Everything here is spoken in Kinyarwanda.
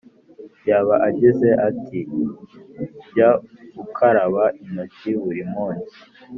Yaba agize ati: jya ukaraba intoki burimunsi